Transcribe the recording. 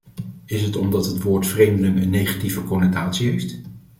Is het omdat het woord vreemdeling een negatieve connotatie heeft?